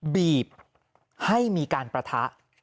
บีบให้มีการปะทะ